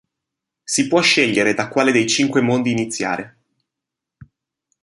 Si può scegliere da quale dei cinque mondi iniziare.